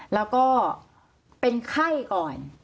แล้วก็เป็นไข้ก่อน